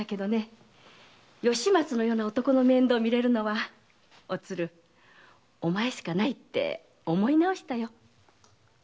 吉松のような男の面倒をみられるのはおつるお前しかないって思い直したよ。